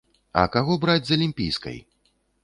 А каго браць з алімпійскай?